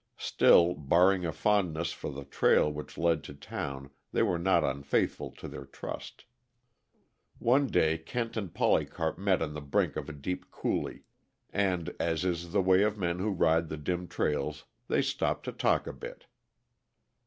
Still, barring a fondness for the trail which led to town, they were not unfaithful to their trust. One day Kent and Polycarp met on the brink of a deep coulee, and, as is the way of men who ride the dim trails, they stopped to talk a bit.